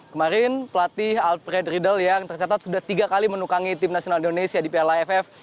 kemarin pelatih alfred riedel yang tercatat sudah tiga kali menukangi tim nasional indonesia di piala aff